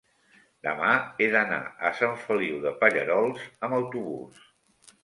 demà he d'anar a Sant Feliu de Pallerols amb autobús.